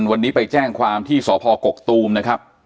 วันนี้ไปแจ้งความที่สพกกตูมนะครับ